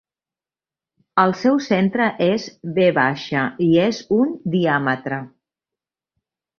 El seu centre és V i és un diàmetre.